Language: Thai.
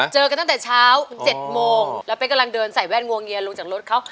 เจอกันตั้งแต่เช้า๗โมงแล้วเป๊กกำลังเดินใส่แว่นวงเงียนลงจากรถเขา